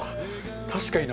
確かにな。